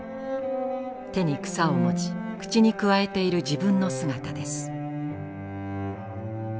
手に草を持ち口にくわえている自分の姿です。